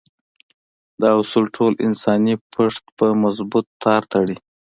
دا اصول ټول انساني پښت په مضبوط تار تړي.